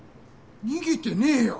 逃げてねぇよ。